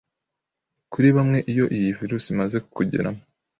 Kuri bamwe iyo iyi virus imaze kukugeramo